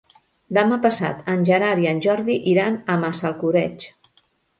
Demà passat en Gerard i en Jordi iran a Massalcoreig.